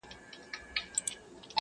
په یوه ژبه ږغېږي سره خپل دي!